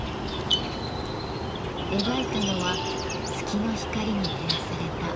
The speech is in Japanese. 描いたのは月の光に照らされた満開の桜。